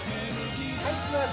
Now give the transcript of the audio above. はいいきます。